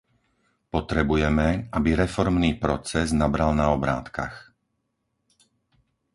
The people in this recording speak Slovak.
Potrebujeme, aby reformný proces nabral na obrátkach.